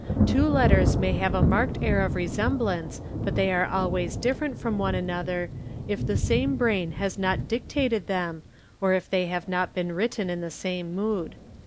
T'wo letters may have a marked air of resemblance but they are always different from one PR A A PL ed he another if the same brain has not dictated them or if they have not been i written in the same mood.